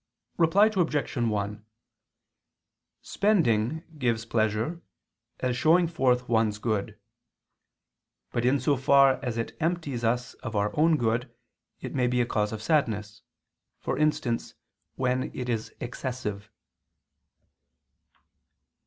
Reply Obj. 1: Spending gives pleasure as showing forth one's good. But in so far as it empties us of our own good it may be a cause of sadness; for instance when it is excessive.